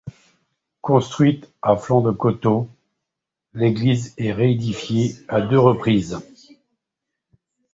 Construite à flanc de coteau, l'église est réédifiée à deux reprises.